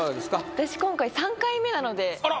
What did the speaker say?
私今回３回目なのであら！